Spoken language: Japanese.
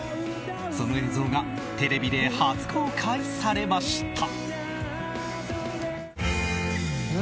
その映像がテレビで初公開されました。